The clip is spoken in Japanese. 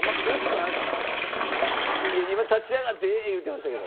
いや今立ち上がって「えーっ！」言うてましたけど。